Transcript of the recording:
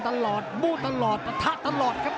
แบบมันน่ารอะทืมปะท่าตลอดครับ